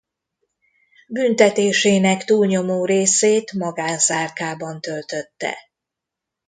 Büntetésének túlnyomó részét magánzárkában töltötte.